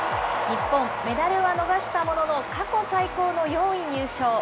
日本、メダルは逃したものの、過去最高の４位入賞。